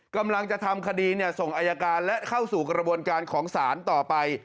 กำลังจะทำคดีส่งอายการและเข้าสู่กระบวนการของศาลต่อไป